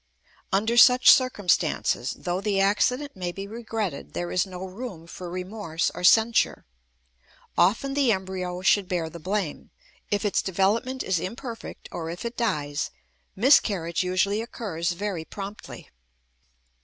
Under such circumstances, though the accident may be regretted, there is no room for remorse or censure. Often the embryo should bear the blame; if its development is imperfect or if it dies, miscarriage usually occurs very promptly.